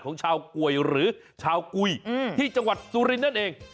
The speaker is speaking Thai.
ของชาวกวยหรือชาวกุยที่จังหวัดสุรินทร์นั่นเอง